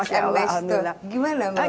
next and best tuh gimana mbak oki